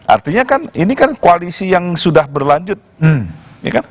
artinya kan ini kan koalisi yang sudah berlanjut